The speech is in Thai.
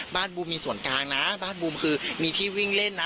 บูมมีส่วนกลางนะบ้านบูมคือมีที่วิ่งเล่นนะ